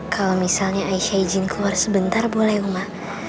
kalo misalnya aisyah izin keluar sebentar boleh uma